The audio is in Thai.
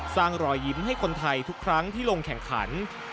รอยยิ้มให้คนไทยทุกครั้งที่ลงแข่งขัน